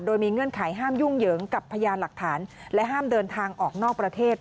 โดยมีเงื่อนไขห้ามยุ่งเหยิงกับพยานหลักฐานและห้ามเดินทางออกนอกประเทศ